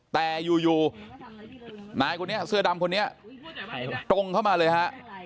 แต่อยู่นายคนนี้เสื้อดำคนนี้ตรงเข้ามาเลยฮะ